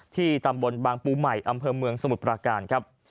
ที่ตำบลบางปูใหม่อำเภอเมืองสมุทรปราการครับ